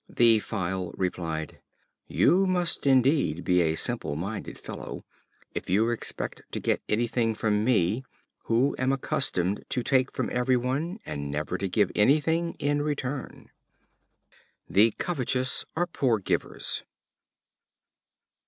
The File replied: "You must indeed be a simple minded fellow if you expect to get anything from me, who am accustomed to take from every one, and never to give anything in return." The covetous are poor givers.